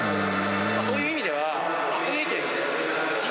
そういう意味では。